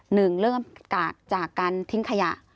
หนึ่งเริ่มจากการทิ้งขยะ